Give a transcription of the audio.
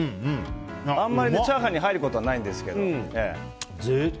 あんまりチャーハンに入ることはないんですけど。